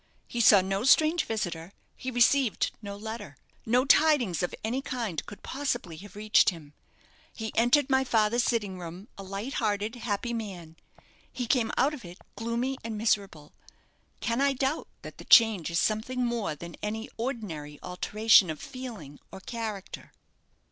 He saw no strange visitor; he received no letter. No tidings of any kind could possibly have reached him. He entered my father's sitting room a light hearted, happy man; he came out of it gloomy and miserable. Can I doubt that the change is something more than any ordinary alteration of feeling or character?"